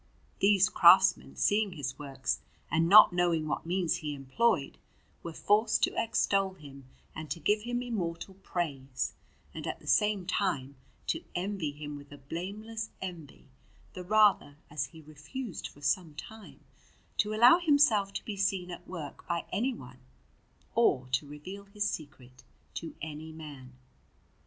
These craftsmen, seeing his works and not knowing what means he employed, were forced to extol him and to give him immortal praise, and at the same time to envy him with a blameless envy, the rather as he refused for some time to allow himself to be seen at work by anyone, or to reveal his secret to any man.